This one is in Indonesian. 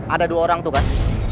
ada dua orang tuh kan